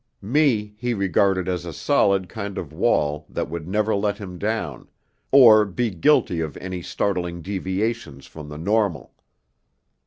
Me he regarded as a solid kind of wall that would never let him down, or be guilty of any startling deviations from the normal.